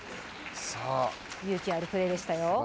勇気あるプレーでしたよ。